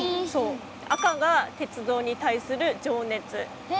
赤が鉄道に対する情熱。